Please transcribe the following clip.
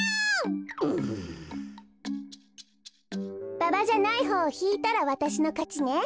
ババじゃないほうをひいたらわたしのかちね。